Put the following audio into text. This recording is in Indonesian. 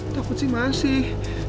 takut sih masih